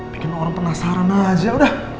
bikin orang penasaran aja udah